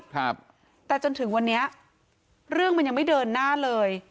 ครับแต่จนถึงวันนี้เรื่องมันยังไม่เดินหน้าเลย